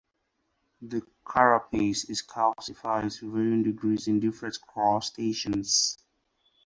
The carapace is calcified to varying degrees in different crustaceans.